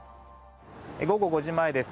午後５時前です。